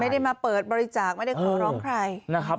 ไม่ได้มาเปิดบริจาคไม่ได้ขอร้องใครนะครับ